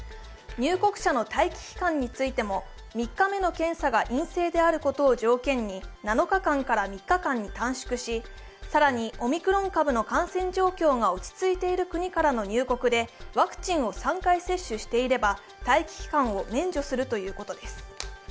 入国者の待機期間についても３日目の検査が陰性であることを条件に７日間から３日間に短縮し、更にオミクロン株の感染状況が落ち着いている国からの入国でワクチンを３回接種していれば待機期間を免除するということです。